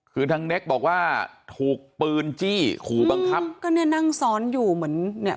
คือทางเน็กบอกว่าถูกปืนจี้ขู่บังคับก็เนี่ยนั่งซ้อนอยู่เหมือนเนี่ย